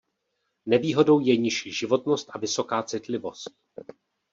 Nevýhodou je nižší životnost a vysoká citlivost.